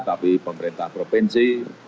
tapi pemerintah provinsi